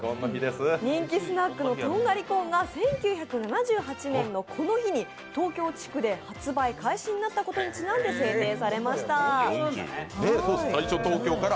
人気スナックのとんがりコーンが１９７８年のこの日に東京地区で発売開始になったことにちなんで制定されました。